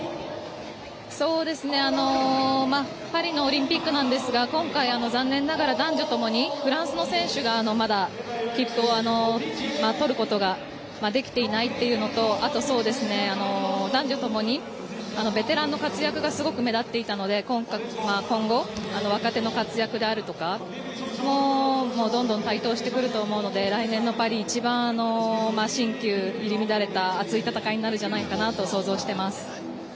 パリのオリンピックなんですが今回、残念ながら男女ともにフランスの選手がまだ切符を取ることができていないっていうのとあと、男女ともにベテランの活躍がすごく目立っていたので今後、若手の活躍であるとかどんどん台頭してくると思うので来年のパリ一番、新旧入り乱れた熱い戦いになるんじゃないかなと想像しています。